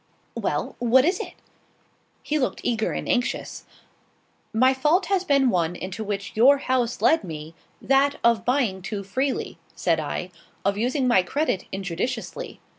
"Well, what is it?" He looked eager and anxious. "My fault has been one into which your house led me, that of buying too freely," said I; "of using my credit injudiciously.